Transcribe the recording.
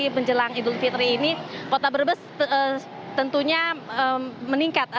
menjelang idul fitri ini kota brebes tentunya meningkat